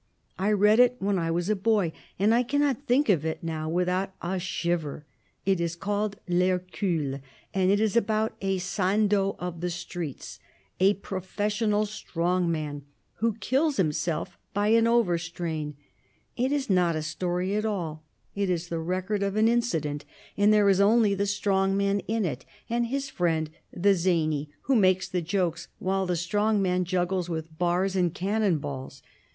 I read it when I was a boy, and I cannot think of it now without a shiver. It is called L'Hercule, and it is about a Sandow of the streets, a professional strong man, who kills himself by an over strain; it is not a story at all, it is the record of an incident, and there is only the strong man in it and his friend the zany, who makes the jokes while the strong man juggles with bars and cannon balls.